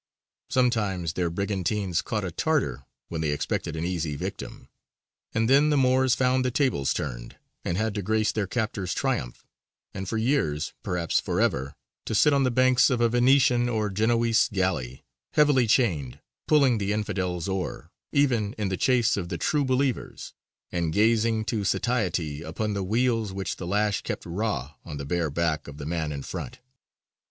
Sometimes their brigantines "caught a Tartar" when they expected an easy victim, and then the Moors found the tables turned, and had to grace their captors' triumph, and for years, perhaps for ever, to sit on the banks of a Venetian or Genoese galley, heavily chained, pulling the infidel's oar even in the chase of the true believers, and gazing to satiety upon the weals which the lash kept raw on the bare back of the man in front.